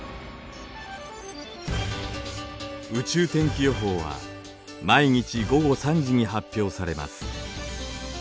宇宙天気予報は毎日午後３時に発表されます。